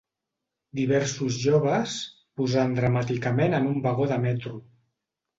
Diversos joves posant dramàticament en un vagó de metro.